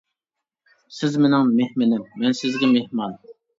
سىز مېنىڭ مېھمىنىم، مەن سىزگە مېھمان.